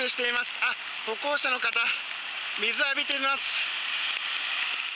あっ、歩行者の方、水浴びてます。